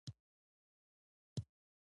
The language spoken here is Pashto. زما خبره یې په دې وخت کې راغوڅه کړه.